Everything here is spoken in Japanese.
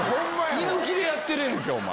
⁉居抜きでやってるやんけお前。